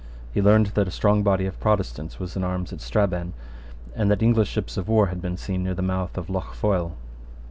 He learned that a strong body of Protestants was in arms at Strabane, and that English ships of war had been seen near the mouth of Lough Foyle.